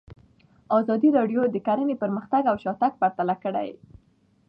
ازادي راډیو د کرهنه پرمختګ او شاتګ پرتله کړی.